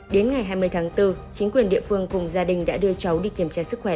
đến ngày hai mươi tháng bốn chính quyền địa phương cùng gia đình đã đưa cháu đi kiểm tra sức khỏe